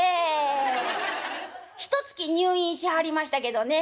ひとつき入院しはりましたけどね。